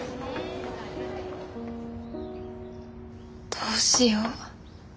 どうしよう。